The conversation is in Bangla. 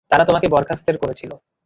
তারা তোমাকে বরখাস্তের করেছিল।